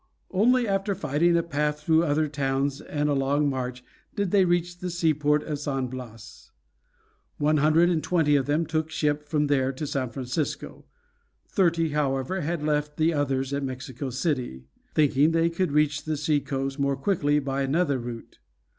Only after fighting a path through other towns and a long march did they reach the seaport of San Blas. One hundred and twenty of them took ship from there to San Francisco. Thirty, however, had left the others at Mexico City, thinking they could reach the sea coast more quickly by another route.